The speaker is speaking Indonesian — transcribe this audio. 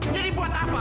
jadi buat apa